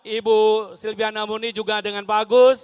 ibu silviana muni juga dengan pak agus